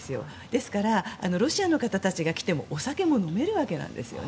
ですからロシアの方たちが来てもお酒も飲めるわけなんです。